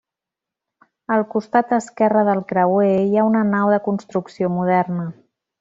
Al costat esquerre del creuer hi ha una nau de construcció moderna.